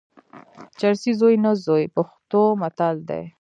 چرسي زوی نه زوی، پښتو متل دئ.